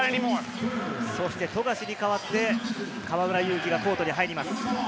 富樫に代わって河村勇輝がコートに入ります。